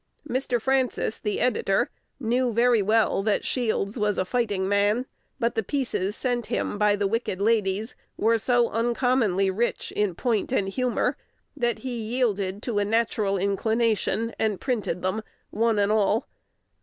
Mr. Francis, the editor, knew very well that Shields was "a fighting man;" but the "pieces" sent him by the wicked ladies were so uncommonly rich in point and humor, that he yielded to a natural inclination, and printed them, one and all.